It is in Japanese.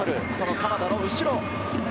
鎌田の後ろ。